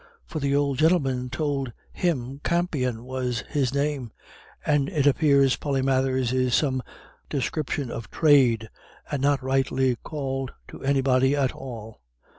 For th' ould gintleman tould him Campion was his name; and it appairs Polymathers is some discripshin of thrade, and not rightly called to anybody at all.